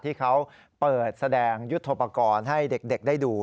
ที่เขาเปิดแสดงยุทธโปรกรณ์ให้เด็กได้ดู